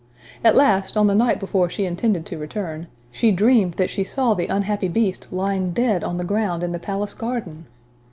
At last, on the night before she intended to return, she dreamed that she saw the unhappy beast lying dead on the ground in the palace garden!